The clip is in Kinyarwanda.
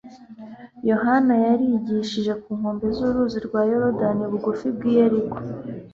Yohana yari yarigishije ku nkombe z'uruzi rwa Yorodani bugufi bw'i Yeriko.